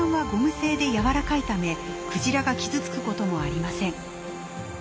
製で柔らかいためクジラが傷つくこともありません。